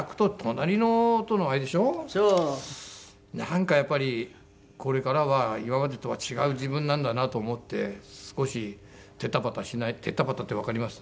なんかやっぱりこれからは今までとは違う自分なんだなと思って少してたぱたしない「てたぱた」ってわかります？